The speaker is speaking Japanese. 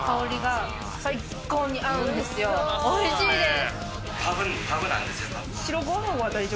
おいしいです。